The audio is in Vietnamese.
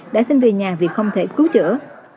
đã sinh về nhà vì không thể cứu chữa